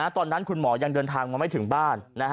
ตอนนั้นคุณหมอยังเดินทางมาไม่ถึงบ้าน